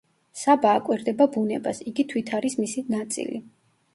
საბა აკვირდება ბუნებას, იგი თვით არის მისი ნაწილი.